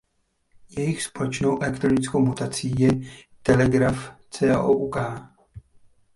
Jejich společnou elektronickou mutací je "Telegraph.co.uk".